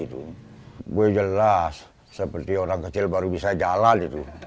saya jelas seperti orang kecil baru bisa jalan